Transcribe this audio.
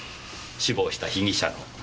死亡した被疑者の。